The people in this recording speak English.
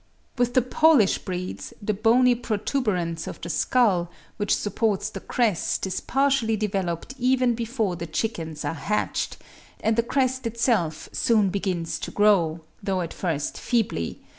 With the Polish breeds the bony protuberance of the skull which supports the crest is partially developed even before the chickens are hatched, and the crest itself soon begins to grow, though at first feebly (47.